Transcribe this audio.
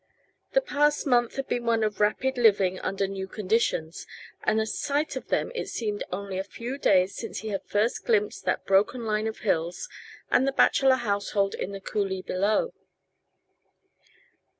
The past month had been one of rapid living under new conditions, and at sight of them it seemed only a few days since he had first glimpsed that broken line of hills and the bachelor household in the coulee below.